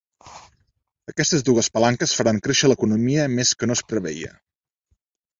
Aquestes dues palanques faran créixer l’economia més que no es preveia.